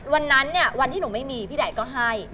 วันนั้นเนี่ยวันที่หนูไม่มีพี่ไดก็ให้